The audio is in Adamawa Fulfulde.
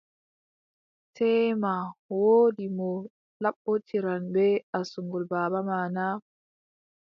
Teema woodi mo laɓɓotiran bee asngol baaba ma na ?